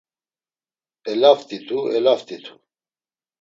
Elaft̆itu elaft̆itu.